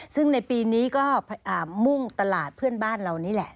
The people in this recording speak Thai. ซึ่งในปีนี้ก็มุ่งตลาดเพื่อนบ้านเรานี่แหละ